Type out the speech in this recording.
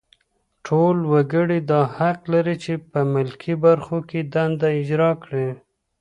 ټول وګړي دا حق لري چې په ملکي برخو کې دنده اجرا کړي.